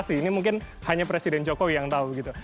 ini mungkin hanya presiden jokowi yang tahu begitu